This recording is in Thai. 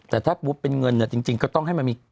แต่ถ้าเป็นเงินจริงก็ต้องให้มันมี